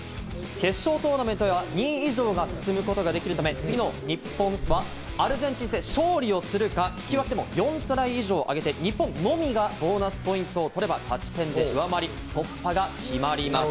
決勝トーナメントへは２位以上が進むことができるため、日本は次のアルゼンチン戦で勝利するか、引き分けでも４トライ以上を挙げて日本のみがボーナスポイントを取れば勝ち点で上回り、突破が決まります。